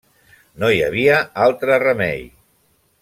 No hi havia altre remei.